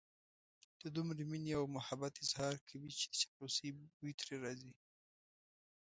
د دومره مينې او محبت اظهار کوي چې د چاپلوسۍ بوی ترې راځي.